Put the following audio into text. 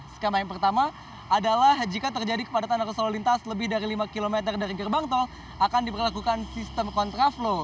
skema yang pertama adalah jika terjadi kepadatan arus lalu lintas lebih dari lima km dari gerbang tol akan diperlakukan sistem kontraflow